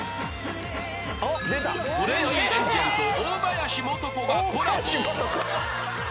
［トレンディエンジェルと大林素子がコラボ］